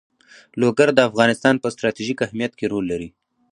لوگر د افغانستان په ستراتیژیک اهمیت کې رول لري.